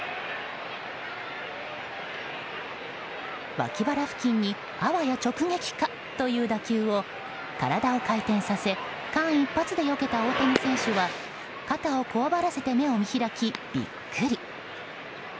わき腹付近にあわや直撃か！という打球を体を回転させ間一髪でよけた大谷選手は肩をこわばらせて目を見開きビックリ！